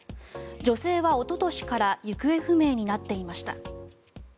女性はおととしから行方不明になっていました。